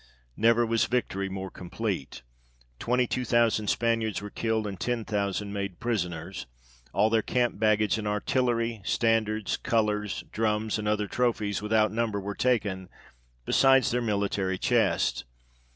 Never was victory more complete ; twenty two thousand Spaniards were killed, and ten thousand made prisoners ; all their camp baggage and artillery, standards, colours, drums, and other trophies without number were taken, besides their military chest.